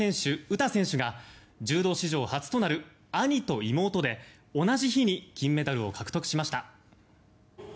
詩選手が柔道史上初となる兄と妹で同じ日に金メダルを獲得しました。